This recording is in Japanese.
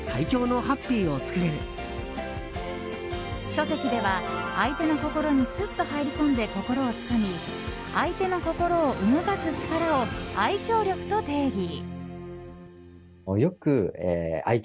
書籍では、相手の心にすっと入り込んで、心をつかみ相手の心を動かす力を愛嬌力と定義。